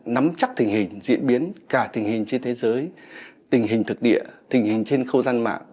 nắm chắc tình hình diễn biến cả tình hình trên thế giới tình hình thực địa tình hình trên khâu gian mạng